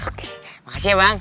oke makasih ya bang